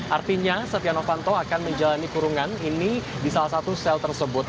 artinya setia novanto akan menjalani kurungan ini di salah satu sel tersebut